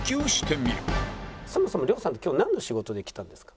「そもそも亮さんって今日なんの仕事で来たんですか？」。